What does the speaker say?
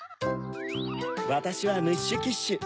わたしはムッシュ・キッシュ。